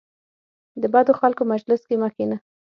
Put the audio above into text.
د بدو خلکو مجلس کې مه کینه .